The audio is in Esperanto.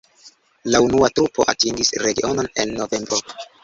La unua trupo atingis regionon en novembro.